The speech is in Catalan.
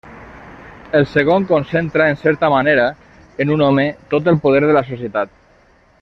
El segon concentra en certa manera en un home tot el poder de la societat.